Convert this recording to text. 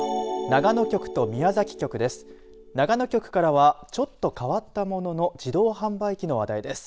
長野局からはちょっと変わったモノの自動販売機の話題です。